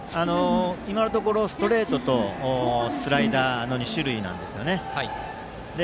今のところストレートとスライダーの２種類なんですね。